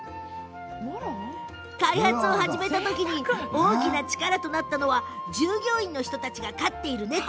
開発を始めた時に大きな力となったのは従業員たちが飼っている猫。